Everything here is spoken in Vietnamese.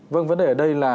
vâng vấn đề ở đây là